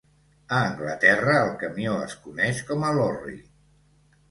A Anglaterra el camió es coneix com a lorry.